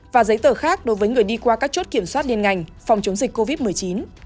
và giấy tờ khác đối với người đi qua các chốt kiểm soát liên ngành phòng chống dịch covid một mươi chín